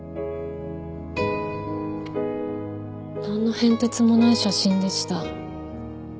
なんの変哲もない写真でした。